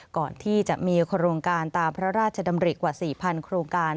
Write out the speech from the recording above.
ก่อนที่จะมีโครงการตามพระราชดำริกว่า๔๐๐โครงการ